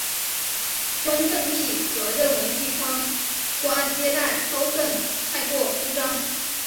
雍正帝则认为地方官接待超盛太过铺张。